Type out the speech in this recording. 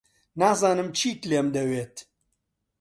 نازانم چیت لێم دەوێت.